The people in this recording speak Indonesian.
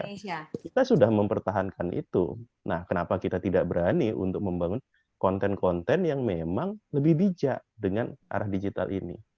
nah kita sudah mempertahankan itu nah kenapa kita tidak berani untuk membangun konten konten yang memang lebih bijak dengan arah digital ini